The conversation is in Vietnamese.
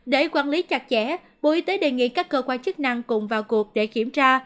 để quản lý chặt chẽ bộ y tế đề nghị các cơ quan chức năng cùng vào cuộc để kiểm tra